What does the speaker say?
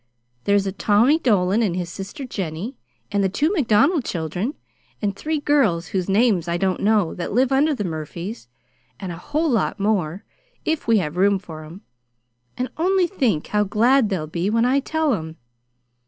There's Tommy Dolan and his sister Jennie, and the two Macdonald children, and three girls whose names I don't know that live under the Murphys, and a whole lot more, if we have room for 'em. And only think how glad they'll be when I tell 'em!